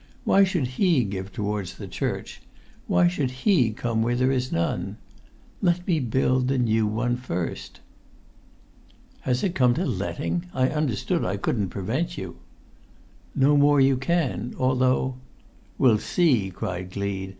Why should he give towards the church? Why should he come where there is none? Let me build the new one first!" "Has it come to letting? I understood I couldn't prevent you?" "No more you can; although——" "We'll see!" cried Gleed.